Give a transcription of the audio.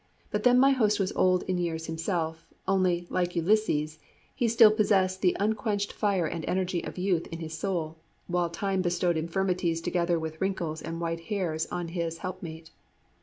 But then my host was old in years himself, only, like Ulysses, he still possessed the unquenched fire and energy of youth in his soul, while time bestowed infirmities together with wrinkles and white hairs on his helpmate.